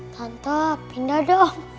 tante pindah dong